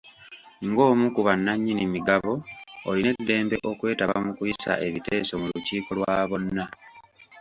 Ng'omu ku bannannyini migabo olina eddembe okwetaba mu kuyisa ebiteeso mu lukiiko lwa bonna.